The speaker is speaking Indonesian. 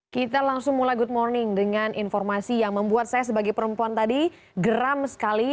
kita langsung mulai good morning dengan informasi yang membuat saya sebagai perempuan tadi geram sekali